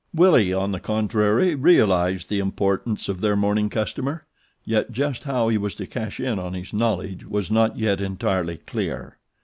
Willie, on the contrary, realized the importance of their morning customer, yet just how he was to cash in on his knowledge was not yet entirely clear.